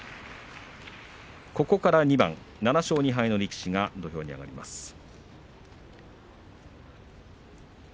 ここから２番７勝２敗の力士が出てきます。